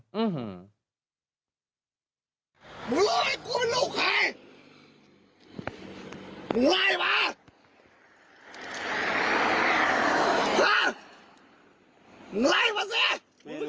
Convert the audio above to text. มึงรู้มั้ยกูเป็นลูกไอ้มึงไหลปะฮ่ามึงไหลปะสิมึงเป็นสัตว์ไอ้